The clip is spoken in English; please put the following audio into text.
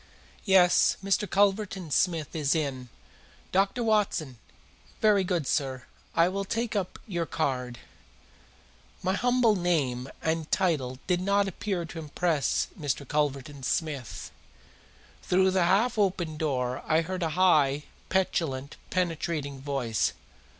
"Yes, Mr. Culverton Smith is in. Dr. Watson! Very good, sir, I will take up your card." My humble name and title did not appear to impress Mr. Culverton Smith. Through the half open door I heard a high, petulant, penetrating voice.